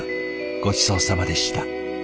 ごちそうさまでした。